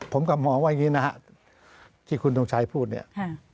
ผมกำหนดว่าอย่างนี้นะครับที่คุณต่องชายพูดเนี่ย